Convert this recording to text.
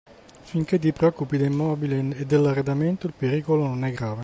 Finché ti preoccupi dei mobili e dell'arredamento, il pericolo non è grave.